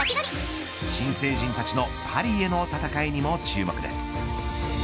新成人たちのパリへの戦いにも注目です。